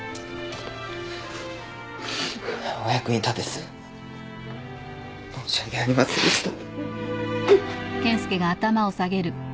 お役に立てず申し訳ありませんでした。